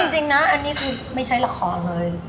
จริงนะอันนี้คือไม่ใช่ละครเลย